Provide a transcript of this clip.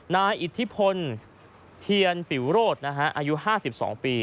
นายอิทธิพลเทียนปิวโรศอายุ๕๒ปี